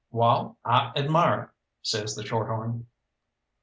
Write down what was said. "Wall, I admire!" says the shorthorn.